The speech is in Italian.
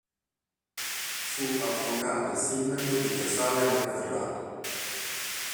Fu avvocato e sindaco di Casale Monferrato.